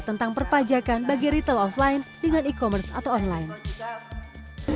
tentang perpajakan bagi retail offline dengan e commerce atau online